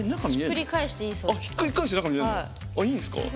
あいいんですか？